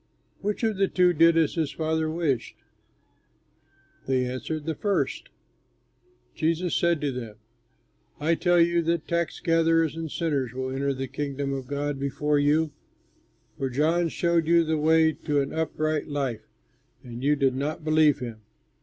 Which of the two did as his father wished?" They answered, "The first." Jesus said to them, "I tell you that tax gatherers and sinners will enter the Kingdom of God before you; for John showed you the way to an upright life, and you did not believe him.